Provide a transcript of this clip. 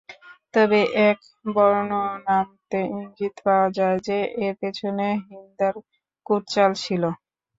তবে এক বর্ণনামতে ইঙ্গিত পাওয়া যায় যে, এর পেছনে হিন্দার কুটচাল ছিল।